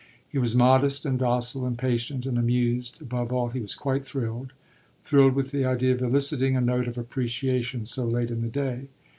He was modest and docile and patient and amused, above all he was quite thrilled thrilled with the idea of eliciting a note of appreciation so late in the day.